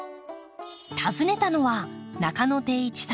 訪ねたのは中野貞一さん